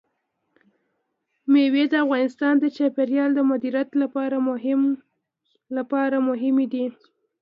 مېوې د افغانستان د چاپیریال د مدیریت لپاره مهم دي.